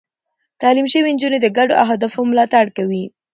تعليم شوې نجونې د ګډو اهدافو ملاتړ کوي.